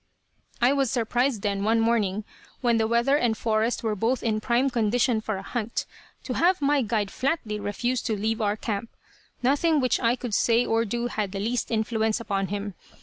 "I was surprised, then, one morning when the weather and forest were both in prime condition for a Hunt, to have my guide flatly refuse to leave our camp. Nothing which I could say or do had the least influence upon him.